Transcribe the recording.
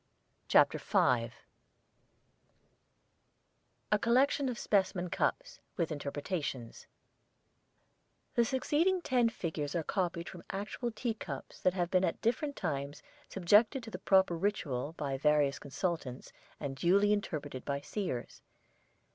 CHAPTER V A COLLECTION OF SPECIMEN CUPS, WITH INTERPRETATIONS The succeeding ten figures are copied from actual tea cups that have been at different times subjected to the proper ritual by various consultants and duly interpreted by seers.